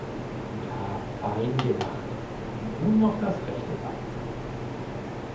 Ja fein gemacht, und nun noch das rechte Bein.